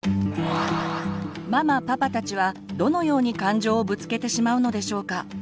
ママ・パパたちはどのように感情をぶつけてしまうのでしょうか？